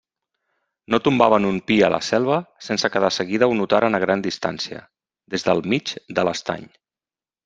No tombaven un pi a la selva sense que de seguida ho notara a gran distància, des del mig de l'estany.